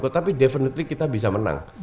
tetapi definitely kita bisa menang